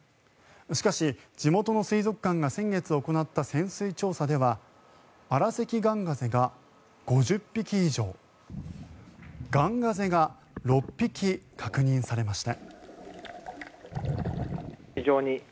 しかし、地元の水族館が先月行った潜水調査ではアラサキガンガゼが５０匹以上ガンガゼが６匹確認されました。